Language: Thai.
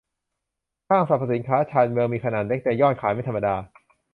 ห้างสรรพสินค้าชานเมือง มีขนาดเล็ก แต่ยอดขายไม่ธรรมดา